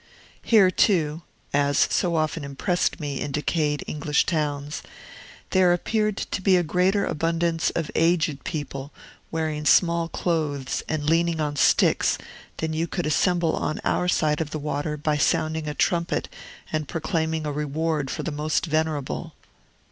Here, too (as so often impressed me in decayed English towns), there appeared to be a greater abundance of aged people wearing small clothes and leaning on sticks than you could assemble on our side of the water by sounding a trumpet and proclaiming a reward for the most venerable.